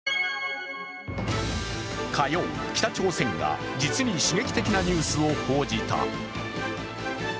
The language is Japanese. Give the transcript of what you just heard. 火曜、北朝鮮が実に刺激的なニュースを報じた。